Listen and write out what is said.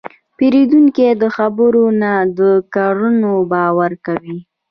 پیرودونکی د خبرو نه، د کړنو باور کوي.